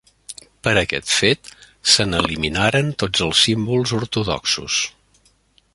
Per aquest fet, se n'eliminaren tots els símbols ortodoxos.